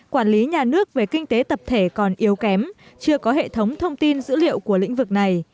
quản lý nhà nước về kinh tế tập thể còn yếu kém chưa có hệ thống thông tin dữ liệu của lĩnh vực này